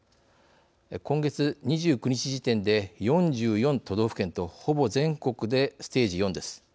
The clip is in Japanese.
今月２９日時点で４４都道府県とほぼ全国でステージ４です。